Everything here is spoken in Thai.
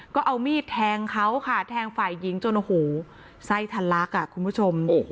ก็เอามีดแทงเขาค่ะแทงฝ่ายหญิงจนใส่ทันลักษณ์คุณผู้ชม